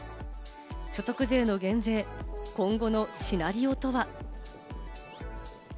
所得税の減税、今後のシナリオとは？